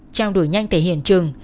trao đổi nhanh thể hiện trường